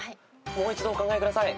もう一度お考えください。